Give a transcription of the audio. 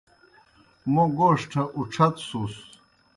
موْ گوݜٹھہ اُڇھتسُس۔